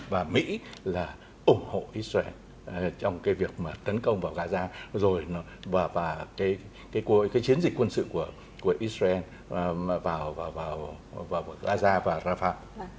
và mỹ là ủng hộ israel trong cái việc mà tấn công vào gaza rồi và cái chiến dịch quân sự của israel vào gaza và rafah